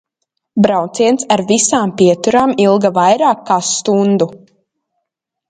Brauciens ar visām pieturām ilga vairāk kā stundu.